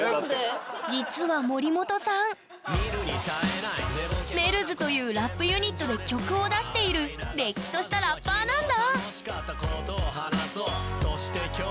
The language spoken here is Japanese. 実は森本さんＭｅｌｌｓというラップユニットで曲を出しているれっきとしたラッパーなんだ！